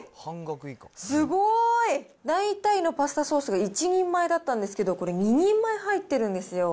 すごい！大体のパスタソースが１人前だったんですけど、これ、２人前入ってるんですよ。